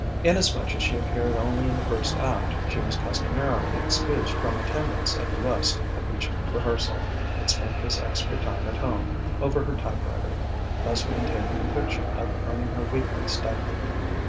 Inasmuch as she appeared only in the first act, she was customarily excused from attendance at the rest of each rehearsal, and spent this extra time at home, over her typewriter; thus maintaining the fiction of earning her weekly stipend.